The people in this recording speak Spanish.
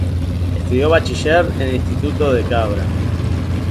Estudió bachiller en el instituto de Cabra.